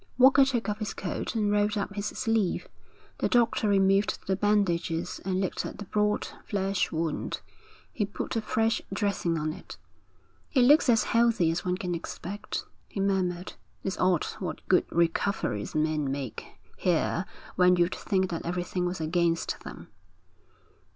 Walker took off his coat and rolled up his sleeve. The doctor removed the bandages and looked at the broad flesh wound. He put a fresh dressing on it. 'It looks as healthy as one can expect,' he murmured. 'It's odd what good recoveries men make here when you'd think that everything was against them.'